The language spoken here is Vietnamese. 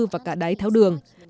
và cả đáy tháo đường